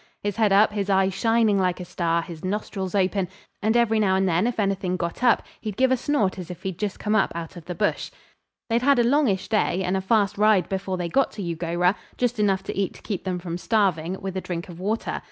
His head up, his eye shining like a star, his nostrils open, and every now and then, if anything got up, he'd give a snort as if he'd just come up out of the bush. They'd had a longish day and a fast ride before they got to Eugowra, just enough to eat to keep them from starving, with a drink of water.